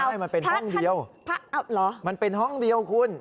ใช่มันเป็นห้องเดียวมันเป็นห้องเดียวคุณ